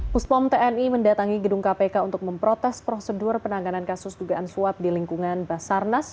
puspom tni mendatangi gedung kpk untuk memprotes prosedur penanganan kasus dugaan suap di lingkungan basarnas